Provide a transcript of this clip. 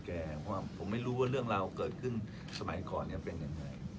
เพราะว่าผมไม่รู้ว่าเรื่องราวเกิดขึ้นสมัยก่อนเป็นยังไง